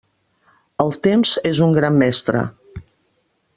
El temps és un gran mestre.